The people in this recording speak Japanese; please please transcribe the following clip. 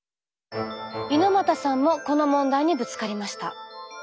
猪又さんもこの問題にぶつかりました。